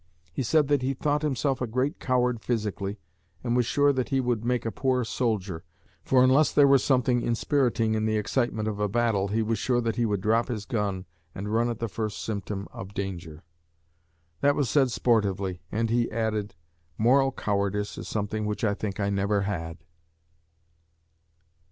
He said that he thought himself a great coward physically, and was sure that he would make a poor soldier, for unless there was something inspiriting in the excitement of a battle he was sure that he would drop his gun and run at the first symptom of danger. That was said sportively, and he added, 'Moral cowardice is something which I think I never had.'"